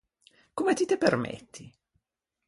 Comme ti te permetti?